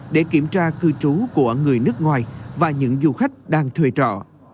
để kiểm tra cư trú của người nước ngoài và những du khách đang thuê trọ